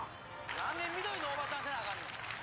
何で緑のおばさんせなあかんねん！